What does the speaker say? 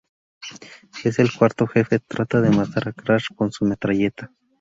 Es el cuarto jefe, trata de matar a Crash con su metralleta.